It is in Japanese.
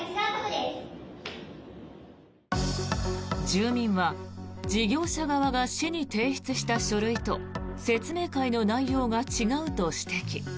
住民は事業者側が市に提出した書類と説明会の内容が違うと指摘。